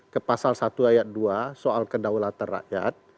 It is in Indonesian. ke pasal satu ayat dua soal kedaulatan rakyat